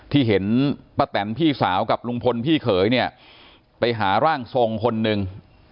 ที่เห็นป้าแตนพี่สาวกับลุงพลพี่เขยเนี่ยไปหาร่างทรงคนหนึ่ง